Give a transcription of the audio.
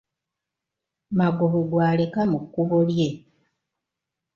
Magobwe gwaleka mu kkubo lye.